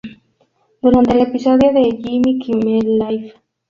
Durante un episodio de "Jimmy Kimmel Live!